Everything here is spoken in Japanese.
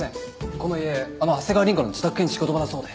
この家あの長谷川凛子の自宅兼仕事場だそうで。